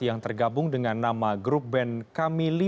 yang tergabung dengan nama grup band kami lima